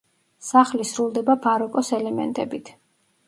სახლი სრულდება ბაროკოს ელემენტებით.